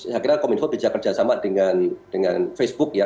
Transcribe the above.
saya kira kominfo kerja sama dengan facebook ya